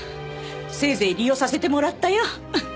せいぜい利用させてもらったよ。